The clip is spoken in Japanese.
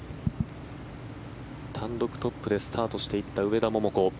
単独トップでスタートしていった上田桃子。